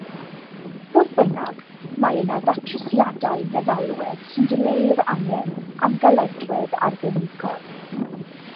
Fodd bynnag, mae yna ddatrysiadau meddalwedd sy'n dileu'r angen am galedwedd arbenigol.